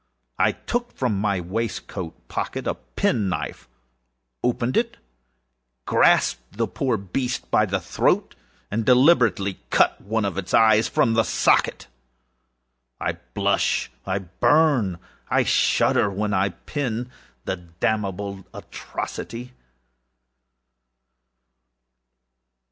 I took from my waistcoat pocket a pen knife, opened it, grasped the poor beast by the throat, and deliberately cut one of its eyes from the socket! I blush, I burn, I shudder, while I pen the damnable atrocity.